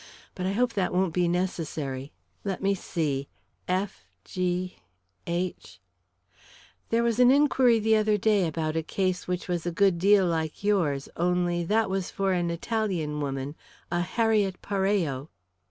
But I hope that won't be necessary. Let me see F G H " "There was an inquiry the other day about a case which was a good deal like yours only that was for an Italian woman a Harriet Parello."